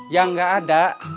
yang enggak ada